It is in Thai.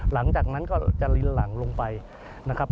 หลังจากนั้นก็จะลิ้นหลังลงไปนะครับ